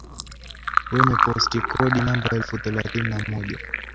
wenye postikodi namba elfu thelathini na moja